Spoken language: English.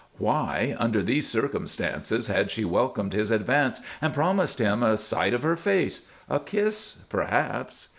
Why, under these circumstances, had she welcomed his advances and promised him a sight of her face a kiss, perhaps?